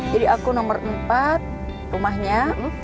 jadi aku nomor empat rumahnya